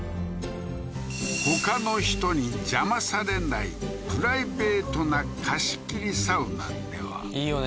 ほかの人に邪魔されないプライベートな貸し切りサウナではいいよね